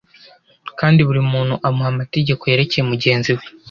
kandi buri muntu amuha amategeko yerekeye mugenzi we